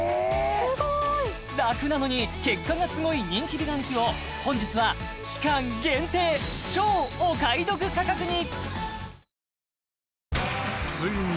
スゴいラクなのに結果がスゴい人気美顔器を本日は期間限定超お買い得価格に！